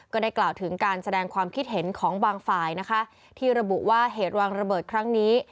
ก็ได้กล่าวถึงการแสดงความคิดเห็นของบางฝ่ายนะคะที่ระบุว่าเหตุวางระเบิดครั้งนี้